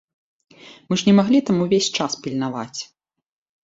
Мы ж не маглі там увесь час пільнаваць!